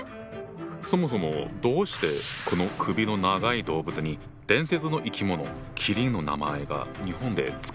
そもそもどうしてこの首の長い動物に伝説の生き物麒麟の名前が日本で付けられたんだ？